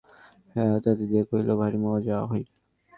সে হাততালি দিয়া কহিল, ভারি মজা হইবে।